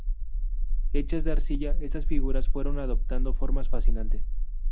Hechas de arcilla, estas figuras fueron adoptando formas fascinantes.